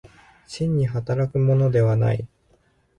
真に働くものではない。